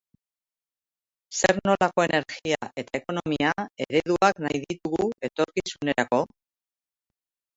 Zer nolako energia eta ekonomia ereduak nahi ditugu etorkizunerako?